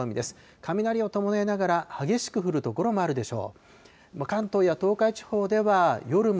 雷を伴いながら、激しく降る所もあるでしょう。